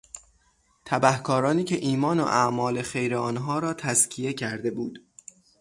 تبهکارانی که ایمان و اعمال خیر آنها را تزکیه کرده بود